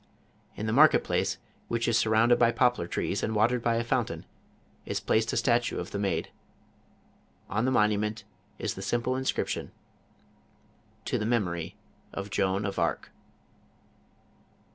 In the market place, which is surrounded by poplar trees, and watered by a fountain, is placed a statue of the Maid. On the monument is the simple inscription: " To the memory of Joan of Arc.